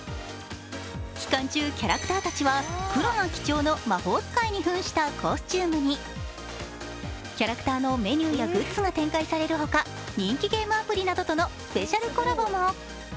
期間中、キャラクターたちは黒が基調の魔法使いに扮したコスチュームにキャラクターのメニューやグッズが展開されるほか人気ゲームアプリとのスペシャルコラボも。